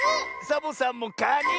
サボさんもかに！